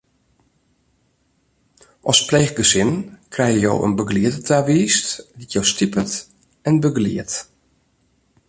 As pleechgesin krije jo in begelieder tawiisd dy't jo stipet en begeliedt.